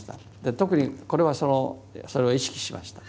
特にこれはそれを意識しました。